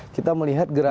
kita melihat gerakan